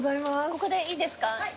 ここでいいですか？